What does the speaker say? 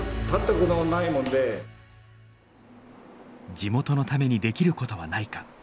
地元のためにできることはないか。